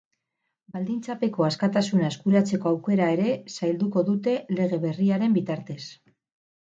Baldintzapeko askatasuna eskuratzeko aukera ere zailduko dute lege berriaren bitartez.